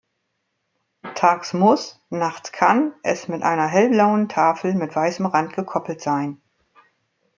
Tags muss, nachts kann es mit einer hellblauen Tafel mit weißem Rand gekoppelt sein.